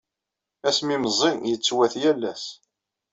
Asmi meẓẓi, yettwat yal ass.